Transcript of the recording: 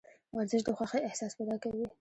ورزش د خوښې احساس پیدا کوي.